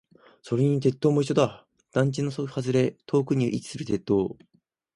それに鉄塔も一緒だ。団地の外れ、遠くに位置する鉄塔。